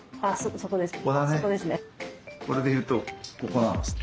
これで言うとここなんですね。